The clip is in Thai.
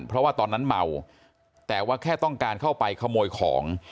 เพราะว่าตอนนั้นเมาแต่ว่าแค่ต้องการเข้าไปขโมยของ